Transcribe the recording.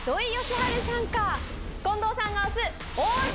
近藤さんが推す。